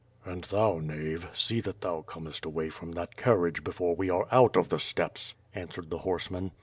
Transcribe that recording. "And thou, knave, see that thou comest away from that carriage before we are out of the steppes!" answered the horseman.